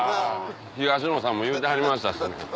東野さんも言うてはりましたしね。